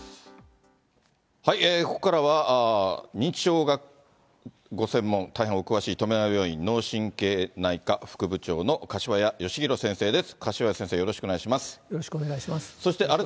ここからは、認知症がご専門、大変お詳しい富永病院の神経内科副部長の柏谷嘉宏先生です。